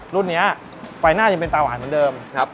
รุ่นนี้ไฟหน้าจะเป็นตาหวานเหมือนเดิม